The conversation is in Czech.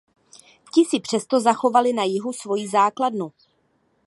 Ti si přesto zachovali na jihu svoji základnu.